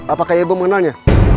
apakah ibu mengenalnya